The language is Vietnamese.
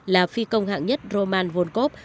là phi công hạng nhất roman volkov